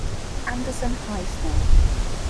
Anderson High School.